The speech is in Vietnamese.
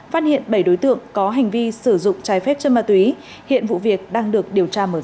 phát hiện bảy đối tượng có hành vi sử dụng trái phép chân ma túy hiện vụ việc đang được điều tra mở rộng